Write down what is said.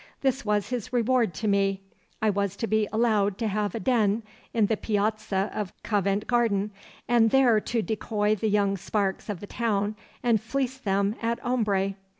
This was his reward to me. I was to be allowed to have a den in the piazza of Covent Garden, and there to decoy the young sparks of the town and fleece them at ombre.